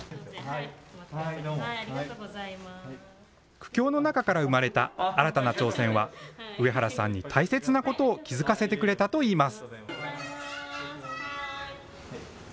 苦境の中から生まれた新たな挑戦は、上原さんに大切なことを気付かせてくれたといいます。